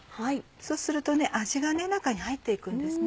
そうすると味が中に入って行くんですね。